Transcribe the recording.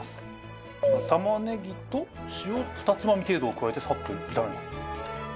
玉ねぎと塩２つまみ程度を加えてサッと炒めます。